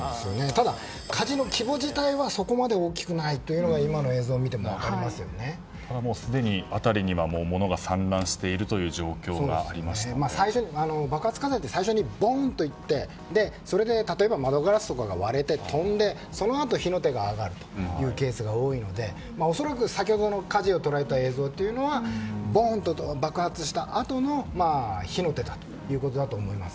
ただ、火事の規模自体はそこまで大きくないというのはすでに辺りには物が爆発火災って最初にボンッといってそれで例えば窓ガラスとかが割れて飛んでそのあと、火の手が上がるというケースが多いので恐らく、先ほどの火事を捉えた映像というのはボーンと爆発したあとの火の手だということだと思います。